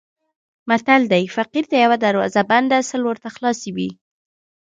متل دی: فقیر ته یوه دروازه بنده سل ورته خلاصې وي.